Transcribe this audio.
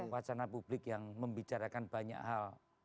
wacana publik yang membicarakan banyak hal